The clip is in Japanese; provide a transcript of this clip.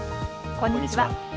こんにちは。